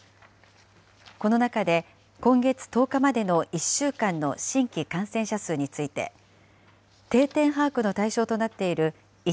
この中で、今月１０日までの１週間の新規感染者数について、定点把握の対象となっている１